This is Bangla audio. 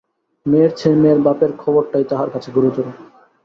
মেয়ের চেয়ে মেয়ের বাপের খবরটাই তাঁহার কাছে গুরুতর।